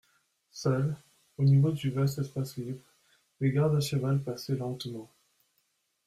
Seuls, au milieu du vaste espace libre, des gardes à cheval passaient lentement.